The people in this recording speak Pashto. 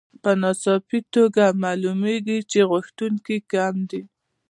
په ناڅاپي توګه معلومېږي چې غوښتونکي کم دي